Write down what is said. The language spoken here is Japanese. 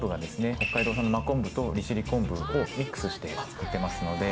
北海道産の真昆布と利尻昆布をミックスして作ってますので。